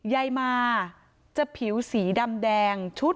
ใยมาจะผิวสีดำแดง